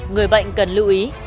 người bệnh cần lưu ý